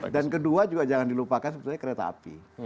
dan kedua juga jangan dilupakan sebenarnya kereta api